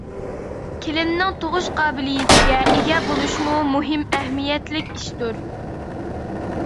كېلىننىڭ تۇغۇش قابىلىيىتىگە ئىگە بولۇشىمۇ مۇھىم ئەھمىيەتلىك ئىشتۇر.